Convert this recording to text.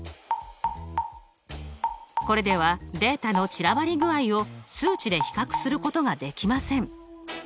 これではデータの散らばり具合を数値で比較することができません。